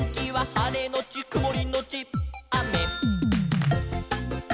「はれのちくもりのちあめ」